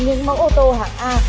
những mẫu ô tô hạng a